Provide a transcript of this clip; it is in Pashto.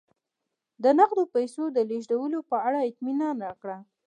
د نغدو پیسو د لېږلو په اړه اطمینان راکړه.